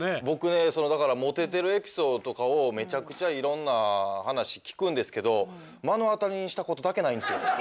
僕ねモテてるエピソードとかをめちゃくちゃいろんな話聞くんですけど目の当たりにしたことだけないんですよ。